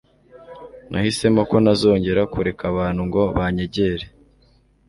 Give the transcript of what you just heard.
Nahisemo ko ntazongera kureka abantu ngo banyegere